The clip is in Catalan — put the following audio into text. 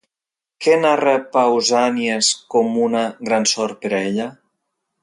Què narra Pausànies com una gran sort per a ella?